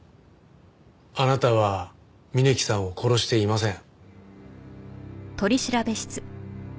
あなたは峯木さんを殺していません。